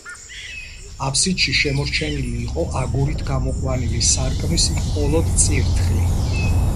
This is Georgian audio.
აფსიდში შემორჩენილი იყო აგურით გამოყვანილი სარკმლის მხოლოდ წირთხლი.